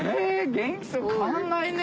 元気そう変わんないね。